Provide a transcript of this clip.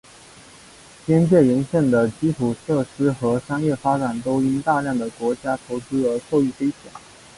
边界沿线的基础设施和商业发展都因大量的国家投资而受益匪浅。